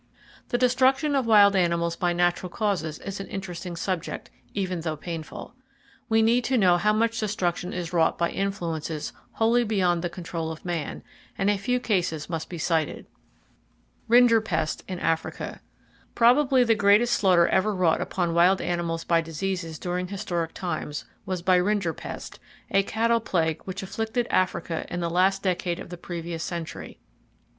The destruction of wild animals by natural causes is an interesting subject, even though painful. We need to know how much destruction is wrought by influences wholly beyond the control of man, and a few cases must be cited. Rinderpest In Africa. —Probably the greatest slaughter ever wrought upon wild animals by diseases during historic times, was by rinderpest, a cattle plague which afflicted Africa in the last decade of the previous century.